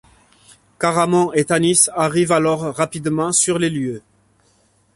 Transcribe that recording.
Caramon et Tanis arrivent alors rapidement sur les lieux.